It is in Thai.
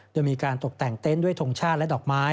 โดยมีการตกแต่งเต็นต์ด้วยทงชาติและดอกไม้